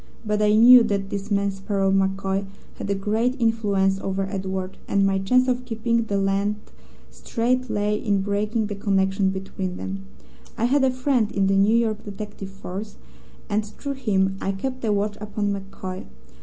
But I knew that this man Sparrow MacCoy had a great influence over Edward and my chance of keeping the lad straight lay in breaking the connection between them. I had a friend in the New York detective force, and through him I kept a watch upon MacCoy.